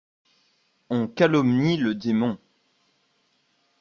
On calomnie le démon.